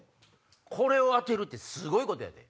これを当てるってすごいことやで。